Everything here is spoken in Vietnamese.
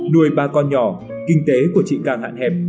nuôi ba con nhỏ kinh tế của chị càng hạn hẹp